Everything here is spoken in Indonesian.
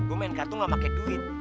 gue main kartu gak pakai duit